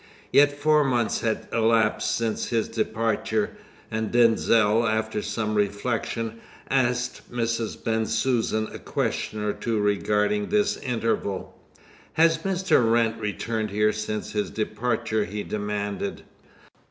Yet four months had elapsed since his departure, and Denzil, after some reflection, asked Mrs. Bensusan a question or two regarding this interval. "Has Mr. Wrent returned here since his departure?" he demanded.